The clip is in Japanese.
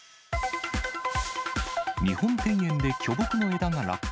日本庭園で巨木の枝が落下。